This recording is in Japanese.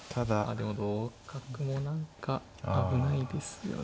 でも同角も何か危ないですよね。